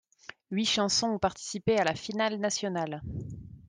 Huit chansons ont participé à la finale nationale.